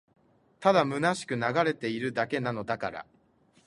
ただ空しく流れているだけなのだから